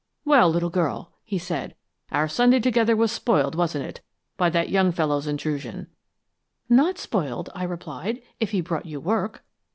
"'Well, little girl!' he said. 'Our Sunday together was spoiled, wasn't it, by that young fellow's intrusion?' "'Not spoiled,' I replied, 'if he brought you work.'